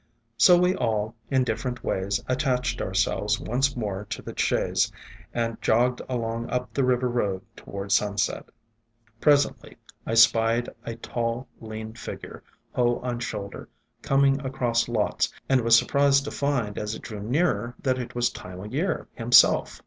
So we all, in different ways, attached ourselves once more to the chaise, and jogged along up the river road toward sunset. Presently I spied a tall, lean figure, hoe on shoulder, coming across lots, and was surprised to find as it drew nearer that it was Time o' Year himself.